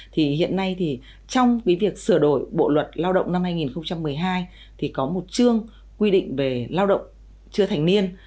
thì hiện nay thì trong việc sửa đổi bộ luật lao động năm hai nghìn một mươi hai thì có một chương quy định về lao động chưa thành niên